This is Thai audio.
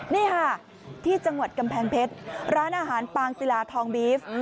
นี่ค่ะที่จังหวัดกำแพงเพชรร้านอาหารปางศิลาทองบีฟ